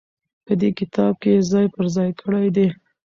په دې کتاب کې يې ځاى په ځاى کړي دي.